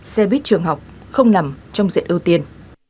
xe buýt trường học không nằm trong diện ưu tiên